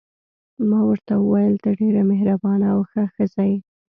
ما ورته وویل: ته ډېره مهربانه او ښه ښځه یې.